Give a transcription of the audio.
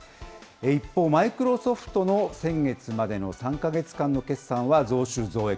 一方、マイクロソフトの先月までの３か月間の決算は増収増益。